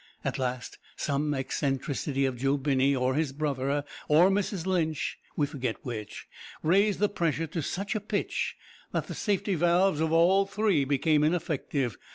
At last, some eccentricity of Joe Binney, or his brother, or Mrs Lynch, we forget which, raised the pressure to such a pitch that the safety valves of all three became ineffective.